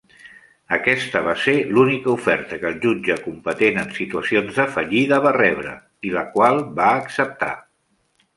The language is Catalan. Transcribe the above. Aquesta va ser l'única oferta que el jutge competent en situacions de fallida va rebre, i la qual va acceptar.